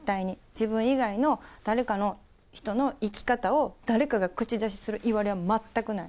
自分以外の誰かの人の生き方を誰かが口出しするいわれは全くない。